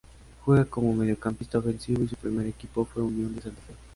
Juega como mediocampista ofensivo y su primer equipo fue Unión de Santa Fe.